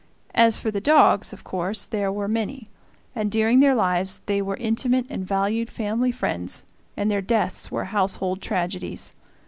As for the dogs, of course there were many, and during their lives they were intimate and valued family friends, and their deaths were household tragedies.